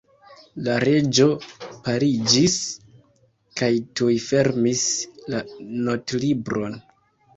La Reĝo paliĝis kaj tuj fermis la notlibron.